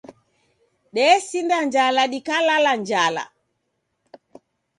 Desinda njala dikalala njala.